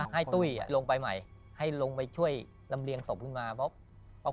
ให้ตุ้ยจะลงไปใหม่ให้ลมเลี่ยงสบที่สู่ในเรา